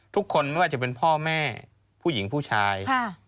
ทุกคนไม่ว่าจะเป็นพ่อแม่ผู้หญิงผู้ชาย